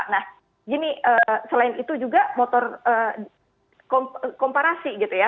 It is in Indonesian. nah gini selain itu juga motor komparasi gitu ya